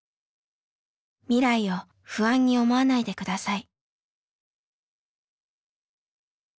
未来を不安に思わないで下さい」。